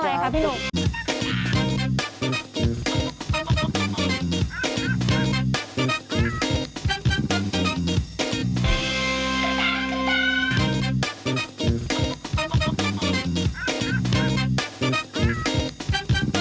โอ้โฮสวัสดีครับพี่หนุ่ม